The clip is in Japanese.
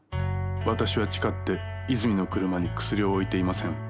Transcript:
「私は誓って泉の車にクスリを置いていません」。